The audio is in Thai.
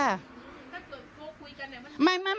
ถ้าคุยกันเนี่ย